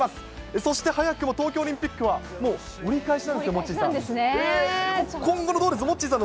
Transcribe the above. そして早くも東京オリンピックは、もう折り返しなんですよ、モッチーさん。